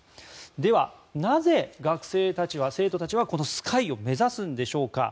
では、なぜ学生たちは生徒たちはこのＳＫＹを目指すんでしょうか。